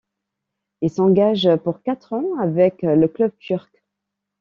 Il s'engage pour quatre ans avec le club turc.